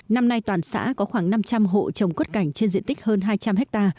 năm nay toàn xã có khoảng năm trăm linh hộ trồng quất cảnh trên diện tích hơn hai trăm linh ha